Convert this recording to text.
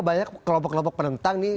banyak kelompok kelompok penentang